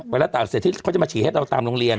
ไวรัสตับอักเสบที่เขาจะมาฉีดให้เราตามโรงเรียน